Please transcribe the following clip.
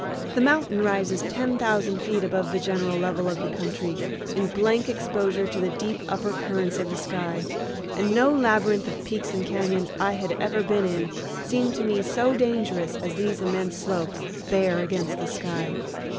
The mountain rises ten thousand feet above the general level of the country, in blank exposure to the deep upper currents of the sky, and no labyrinth of peaks and cañons I had ever been in seemed to me so dangerous as these immense slopes, bare against the sky.